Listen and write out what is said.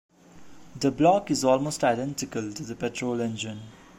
The block is almost identical to the petrol engine.